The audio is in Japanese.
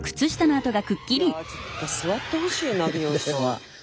いやちょっと座ってほしいな美容師さん。